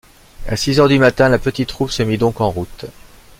À six heures du matin, la petite troupe se mit donc en route.